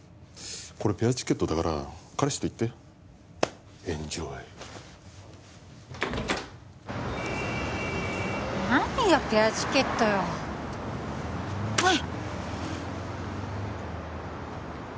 これペアチケットだから彼氏と行ってエンジョイ何がペアチケットよあっ！